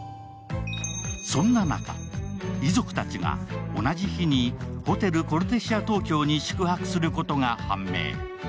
そんな中、遺族たちが同じ日にホテル・コルテシア東京に宿泊することが判明。